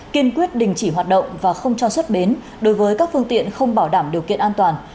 kiên quyết đình chỉ hoạt động và không cho xuất bến đối với các phương tiện không bảo đảm điều kiện an toàn